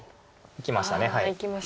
いきました。